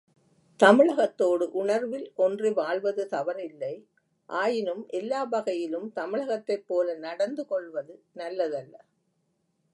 தமிழகத்தோடு உணர்வில்ஒன்றி வாழ்வது தவறில்லை, ஆயினும், எல்லா வகையிலும் தமிழகத்தைப் போல நடந்து கொள்வது நல்லதல்ல.